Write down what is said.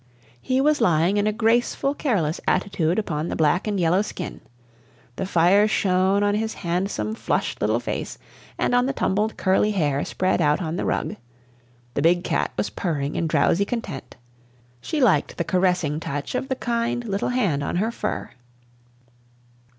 He was lying in a graceful, careless attitude upon the black and yellow skin; the fire shone on his handsome, flushed little face, and on the tumbled, curly hair spread out on the rug; the big cat was purring in drowsy content, she liked the caressing touch of the kind little hand on her fur.